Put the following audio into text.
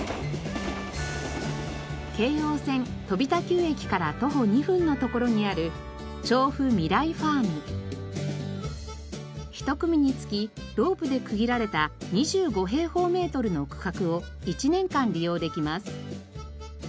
京王線飛田給駅から徒歩２分の所にある１組につきロープで区切られた２５平方メートルの区画を１年間利用できます。